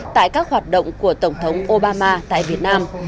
tại các hoạt động của tổng thống obama tại việt nam